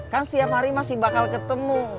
kan setiap hari masih bakal ketemu